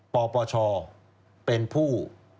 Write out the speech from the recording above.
ปปชเป็นผู้